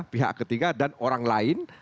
pihak ketiga dan orang lain